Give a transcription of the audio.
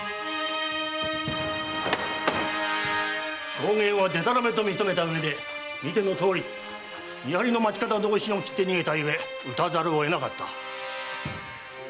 証言はでたらめと認めたうえで見てのとおり見張りの町方同心を斬って逃げて討たざるを得なかった。